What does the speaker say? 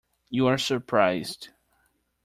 You are surprised.